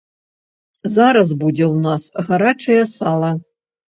Зараз будзе ў нас гарачае сала.